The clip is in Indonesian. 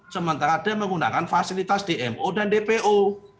sementara dia menggunakan fasilitas dmo dan dpo